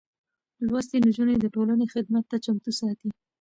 لوستې نجونې د ټولنې خدمت ته چمتو ساتي.